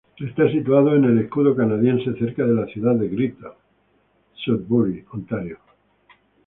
Está situado en el Escudo Canadiense, cerca de la ciudad de Greater Sudbury, Ontario.